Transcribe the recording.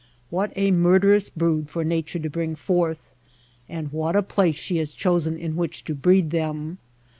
What a murderous brood for Nature to bring forth ! And what a place she has chosen in which to breed them